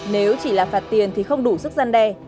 nếu chỉ là phạt tiền thì không đủ sức gian đe